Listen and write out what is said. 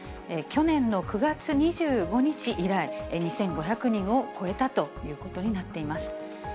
去年の９月２５日以来、２５００人を超えたということになっています。